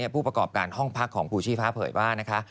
ผู้ประกอบการห้องพักของภูชีฟ้าเผยว่านะคะ